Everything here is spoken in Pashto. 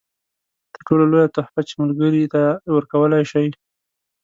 تر ټولو لویه تحفه چې ملګري ته یې ورکولای شئ.